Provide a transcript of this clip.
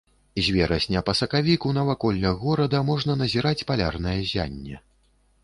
З верасня па сакавік у наваколлях горада можна назіраць палярнае ззянне.